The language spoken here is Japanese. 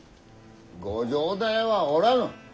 ご城代はおらぬ。